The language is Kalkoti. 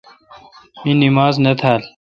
می نماز نہ تھال۔